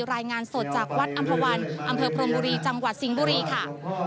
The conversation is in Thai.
รายงานสดจากวัดอำภาวันอำเภอพรมบุรีจังหวัดสิงห์บุรีค่ะ